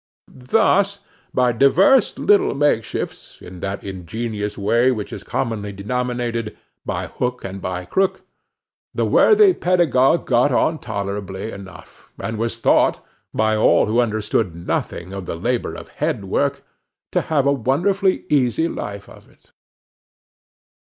Thus, by divers little makeshifts, in that ingenious way which is commonly denominated "by hook and by crook," the worthy pedagogue got on tolerably enough, and was thought, by all who understood nothing of the labor of headwork, to have a wonderfully easy life of it.